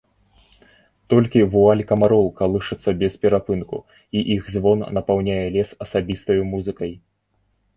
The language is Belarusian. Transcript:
Толькі вуаль камароў калышацца без перапынку, і іх звон напаўняе лес асабістаю музыкаю.